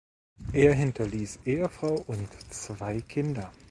Er hinterließ Ehefrau und zwei Kinder.